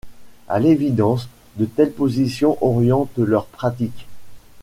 A l’évidence, de telles positions orientent leur pratique.